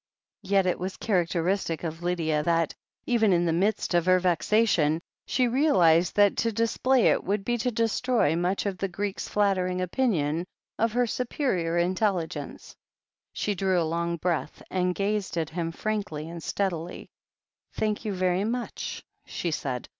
Yet it was characteristic of Lydia that, even in the IS6 THE HEEL OF ACHILLES midst of her vexation, she realized that to display it would be to destroy much of the Greek's flattering opinion of her superior intelligence. She drew a long breath, and gazed at him frankly and steadily. "Thank you very much," she said.